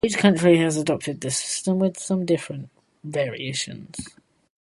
Each country has adopted this system with some different variations.